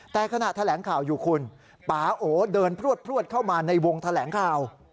แต่ขณะแถลงข่าวอยู่คุณป่าโอเดินพลวดเข้ามาในวงแถลงข่าว